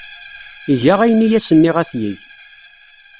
Iga ayen ay as-nniɣ ad t-yeg.